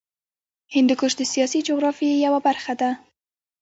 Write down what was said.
هندوکش د سیاسي جغرافیه یوه برخه ده.